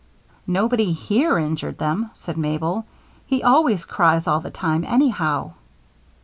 "Nobody here injured him," said Mabel. "He always cries all the time, anyhow."